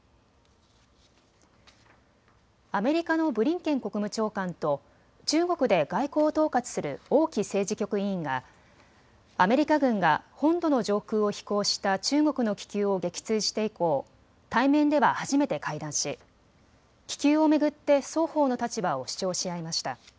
アメリカのブリンケン国務長官と中国で外交を統括する王毅政治局委員がアメリカ軍が本土の上空を飛行した中国の気球を撃墜して以降、対面では初めて会談し気球を巡って双方の立場を主張し合いました。